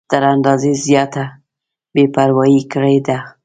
تر اندازې زیاته بې پروايي کړې ده.